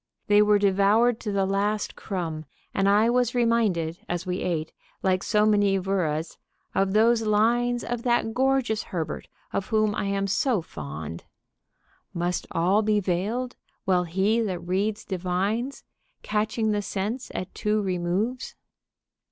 They were devoured to the last crumb, and I was reminded as we ate, like so many wurras, of those lines of that gorgeous Herbert, of whom I am so fond: "Must all be veiled, while he that reads divines, _Catching the sense at two removes?"